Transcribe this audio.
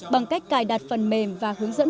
bằng cách cài đặt phần mềm và hướng dẫn